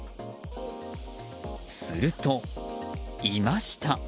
すると、いました。